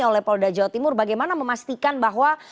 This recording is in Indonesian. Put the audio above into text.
oleh polda jawa timur bagaimana memastikan bahwa